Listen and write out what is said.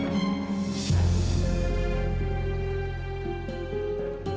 minta juga ya tuhan